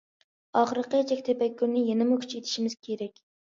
ئاخىرقى چەك تەپەككۇرىنى يەنىمۇ كۈچەيتىشىمىز كېرەك.